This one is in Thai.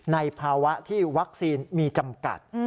ในภาวะที่วัคซีนมีจำกัด